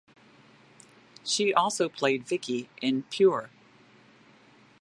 She also played Vicki in "Pure".